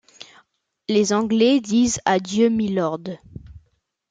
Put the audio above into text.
Les anglais disent à Dieu mylord.